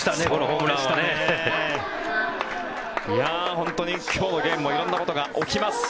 本当に今日のゲームも色んなことが起きます。